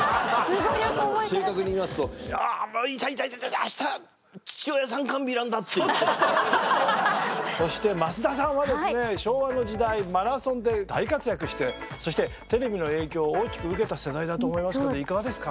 正確に言いますとそして増田さんはですね昭和の時代マラソンで大活躍してそしてテレビの影響を大きく受けた世代だと思いますけどいかがですか？